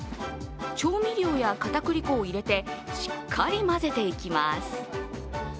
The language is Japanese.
調味料やかたくり粉を入れて、しっかりまぜていきます。